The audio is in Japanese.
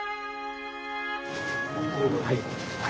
はい。